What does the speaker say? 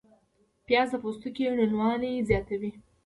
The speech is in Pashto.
پیاز د پوستکي روڼوالی زیاتوي